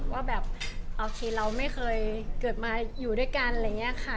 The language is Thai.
ว่าแบบโอเคเราไม่เคยเกิดมาอยู่ด้วยกันอะไรอย่างนี้ค่ะ